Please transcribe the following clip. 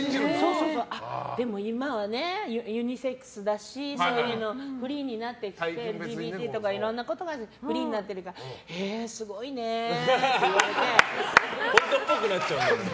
でも、今はね、ユニセックスだしそういうのフリーになってＬＧＢＴとかいろんなことがフリーになってるから本当っぽくなっちゃうから。